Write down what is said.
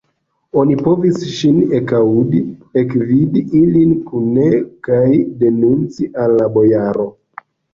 Oni povis ŝin ekaŭdi, ekvidi ilin kune kaj denunci al la bojaro.